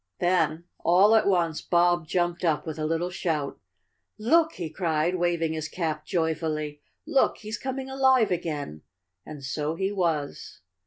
Then, all at once Bob jumped up with a little shout. "Look," he cried, waving his cap joyfully. "Look! He's coming alive again!" And so he was!